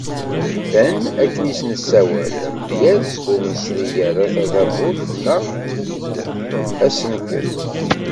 Ben, akken i as-nessawal, d amedyaz ur nesri ara tabadut neɣ asenked.